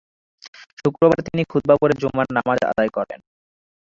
শুক্রবার তিনি খুতবা পড়ে জুমার নামাজ আদায় করেন।